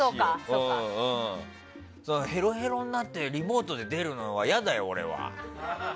へろへろになってリモートで出るのはいやだよ俺は。